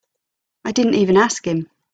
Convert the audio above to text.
I didn't even ask him.